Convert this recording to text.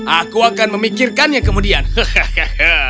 aku akan memikirkannya kemudian hehehe